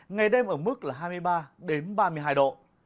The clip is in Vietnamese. ngày đêm ở mức là hai mươi ba đến ba mươi hai độ